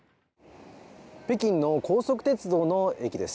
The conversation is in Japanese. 北京の高速鉄道の駅です。